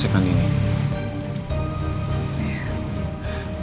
kita pasti bisa selesaikan ini